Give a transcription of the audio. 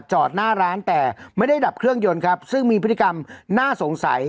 จอดหน้าร้านแต่ไม่ได้ดับเครื่องยนต์ครับซึ่งมีพฤติกรรมน่าสงสัย